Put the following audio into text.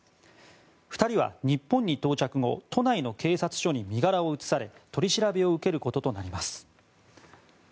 ２人は日本に到着後都内の警察署に身柄を移され取り調べを受けることとなります。